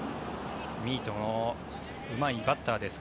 ミートのうまいバッターです。